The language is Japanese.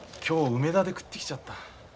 今日梅田で食ってきちゃった。